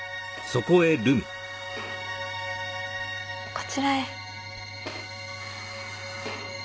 こちらへ。